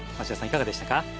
いかがでしたか？